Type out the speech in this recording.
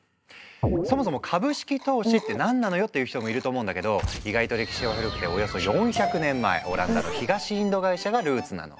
そもそも「株式投資」って何なのよっていう人もいると思うんだけど意外と歴史は古くておよそ４００年前オランダの東インド会社がルーツなの。